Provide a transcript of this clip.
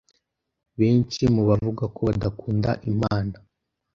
"Benshi mu bavuga ko badakunda Imana